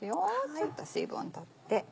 ちょっと水分を取って。